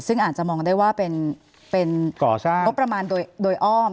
ซึ่งอาจจะมองได้ว่าเป็นงบประมาณโดยอ้อม